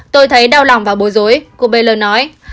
tôi thấy đau lòng và bối rối cô beller nói